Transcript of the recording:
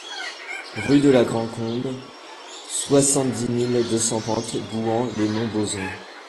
Rue de la Grand Combe, soixante-dix mille deux cent trente Bouhans-lès-Montbozon